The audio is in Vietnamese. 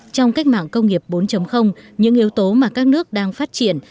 trong cách mạng công nghiệp bốn những yếu tố mà các nước đang phát triển